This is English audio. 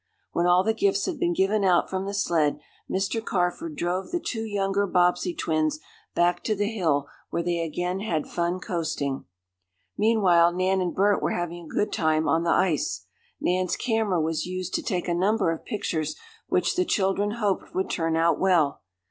When all the gifts had been given out from the sled, Mr. Carford drove the two younger Bobbsey twins back to the hill where they again had fun coasting. Meanwhile Nan and Bert were having a good time on the ice. Nan's camera was used to take a number of pictures, which the children hoped would turn out well.